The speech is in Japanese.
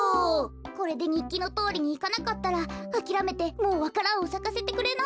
これでにっきのとおりにいかなかったらあきらめてもうわか蘭をさかせてくれないんじゃない？